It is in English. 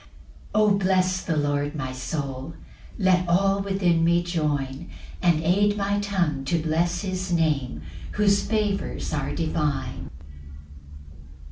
1 O Bless the Lord, my soul; Let all within me join, And aid my tongue to bless his Name, Whose favours are divine.